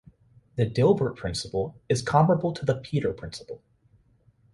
The Dilbert principle is comparable to the Peter principle.